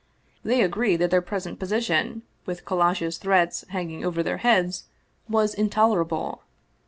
They agreed that their present position, with Kal lash's threats hanging over their heads, was intolerable.